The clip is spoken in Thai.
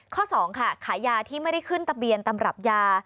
๒ค่ะขายยาที่ไม่ได้ขึ้นทะเบียนตำรับยา